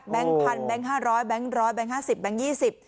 แบงค์พันธุ์แบงค์ห้าร้อยแบงค์ร้อยแบงค์ห้าสิบแบงค์ยี่สิบ